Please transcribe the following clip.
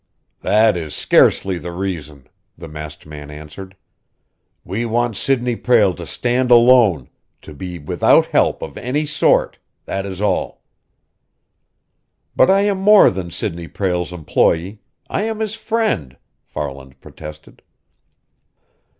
"That is scarcely the reason," the masked man answered. "We want Sidney Prale to stand alone, to be without help of any sort that is all." "But I am more than Sidney Prale's employee. I am his friend!" Farland protested.